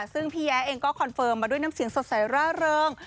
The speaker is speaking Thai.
ซึ่งพี่แย้เองก็คอนเฟิร์มมาด้วยน้ำเสียงสดใสร่าเริง